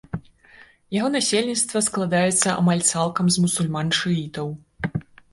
Яго насельніцтва складаецца амаль цалкам з мусульман-шыітаў.